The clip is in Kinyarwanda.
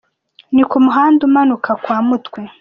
Ni ku muhanda umanuka kwa Mutwe.